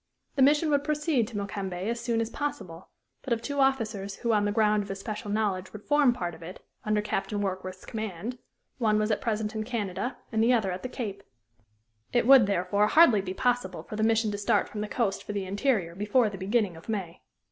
The mission would proceed to Mokembe as soon as possible, but of two officers who on the ground of especial knowledge would form part of it, under Captain Warkworth's command, one was at present in Canada and the other at the Cape. It would, therefore, hardly be possible for the mission to start from the coast for the interior before the beginning of May.